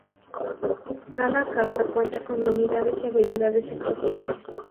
Cada casa cuenta con unidades y habilidades especiales.